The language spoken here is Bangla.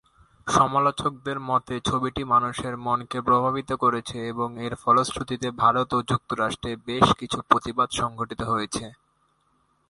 সমালোচকদের মতে, ছবিটি মানুষের মনকে প্রভাবিত করেছে এবং এর ফলশ্রুতিতে ভারত ও যুক্তরাষ্ট্রে বেশ কিছু প্রতিবাদ সংঘটিত হয়েছে।